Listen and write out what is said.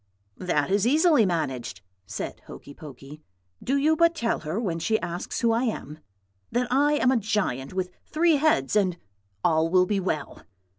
"'That is easily managed,' said Hokey Pokey. 'Do you but tell her, when she asks who I am, that I am a giant with three heads, and all will be well.'